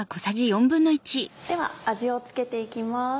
では味を付けて行きます。